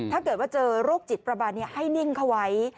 ถ้าเกิดเจอโรคจิตประบาลให้นิ่งเขาไว้